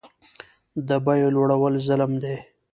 د بیو لوړول ظلم دی